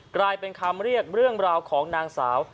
กลายเป็นคำเรียกเรื่องราวของนางสาว